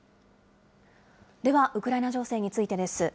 ではウクライナ情勢についてです。